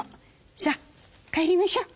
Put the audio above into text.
さあ帰りましょう。